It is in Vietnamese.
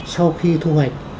sau khi thu hoạch